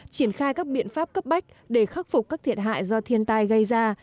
triển khai các biện pháp cấp bách để khắc phục các thiệt hại do thiên tai gây ra